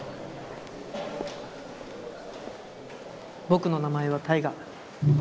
僕の名前は大我。